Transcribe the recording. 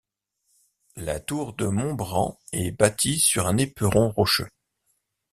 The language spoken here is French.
La Tour de Montbran est bâtie sur un éperon rocheux.